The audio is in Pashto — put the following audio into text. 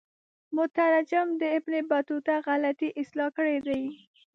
مترجم د ابن بطوطه غلطی اصلاح کړي دي.